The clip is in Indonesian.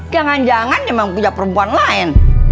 jangan jangan dia mau puja perempuan lain